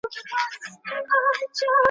دا جامي په ماشین کي پریمنځل سوې.